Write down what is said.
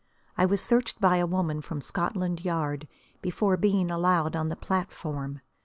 I was searched by a woman from Scotland Yard before being allowed on the platform.